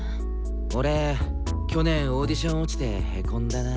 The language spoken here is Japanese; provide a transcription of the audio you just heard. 俺去年オーディション落ちてへこんだなぁ。